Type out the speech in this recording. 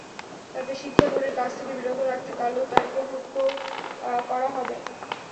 তাঁদের শিক্ষা বোর্ডের কাজ থেকে বিরত রাখতে কালো তালিকাভুক্ত করা হবে।